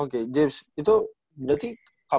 oke james itu berarti kapan berakhir